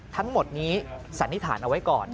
ทั้งหมดนี้สันนิษฐานเอาไว้ก่อน